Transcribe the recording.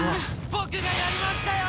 僕がやりましたよ！